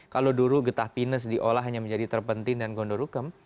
kalau dulu getah pinus diolah hanya menjadi terpenting dan gondorukem